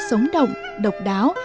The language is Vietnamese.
giống động độc đáo